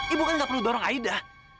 ibu kan gak perlu dorong aida